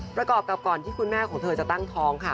ประกอบกับก่อนที่คุณแม่ของเธอจะตั้งท้องค่ะ